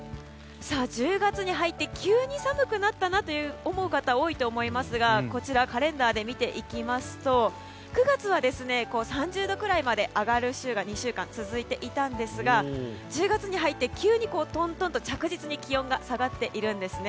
１０月に入って急に寒くなったなと思う方多いと思いますが、こちらカレンダーで見ていきますと９月は、３０度くらいまで上がる週が２週間続いていましたが１０月に入って、急にトントンと着実に気温が下がっているんですね。